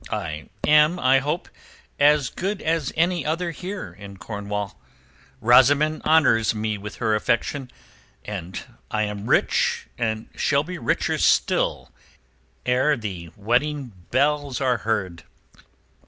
I am, I hope, as good as any other here in Cornwall; Rosamund honours me with her affection and I am rich and shall be richer still ere the wedding bells are heard."